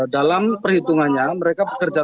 dalam perhitungannya mereka pekerja